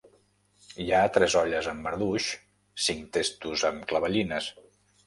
...hi ha tres olles amb marduix, cinc testos amb clavellines.